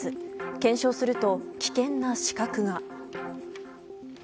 検証すると、危険な死角が。